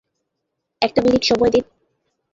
একটা মিনিট সময় দিন।